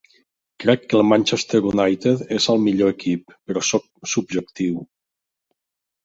Crec que el Manchester United és el millor equip, però soc subjectiu.